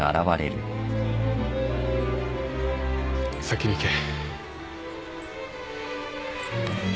先に行け。